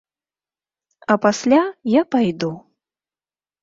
А пасля я пайду.